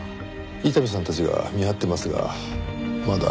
伊丹さんたちが見張っていますがまだ動きは。